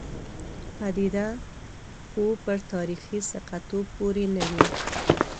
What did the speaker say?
پدیده پوه پر تاریخي ثقه توب پورې نه وي.